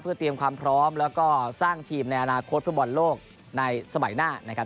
เตรียมความพร้อมแล้วก็สร้างทีมในอนาคตเพื่อบอลโลกในสมัยหน้านะครับ